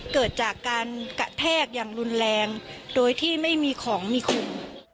กระแทกอย่างรุนแรงโดยที่ไม่มีของมีขุม